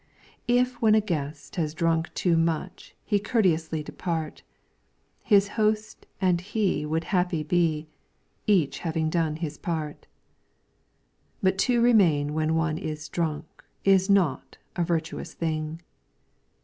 If when a guest has drunk too much He courteously depart, His host and he would happy be, Each having done his part. But to remain when one is drunk Is not a virtuous thing.